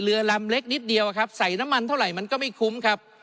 เรือลำเล็กนิดเดียวครับใส่น้ำมันเท่าไหร่มันก็ไม่คุ้มครับ